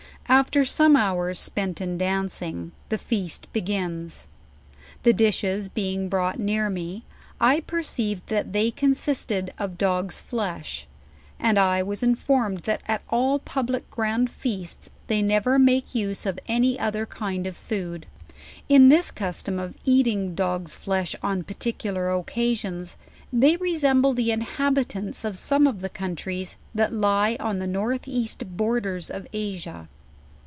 After some hours spent in dancing, the feast begins; the dishes being brought near me, I perceived that they consist ed of dog's flesh: and I was informed that at a)i public grand feasts they never malts use of any other kind of food. In this custom of eating dog's ilcsh on particular occasions, they resemble the inhabitants of some of the countries that lie on the northeast hon'ers of Asia.